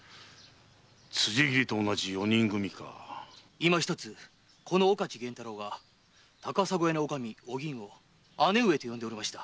いまひとつこの岡地玄太郎が高砂屋の女将・お吟を「姉上」と呼んでおりました。